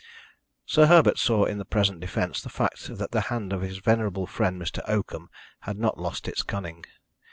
Sir Herbert saw in the present defence the fact that the hand of his venerable friend, Mr. Oakham, had not lost its cunning.